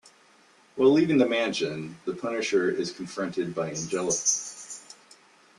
While leaving the mansion, the Punisher is confronted by Angela.